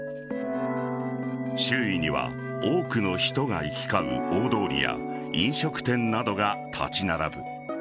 周囲には多くの人が行き交う大通りや飲食店などが立ち並ぶ。